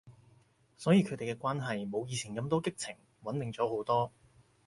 所以佢哋嘅關係冇以前咁多激情，穩定咗好多